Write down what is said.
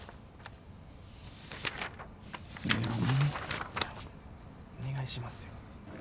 お願いしますよ。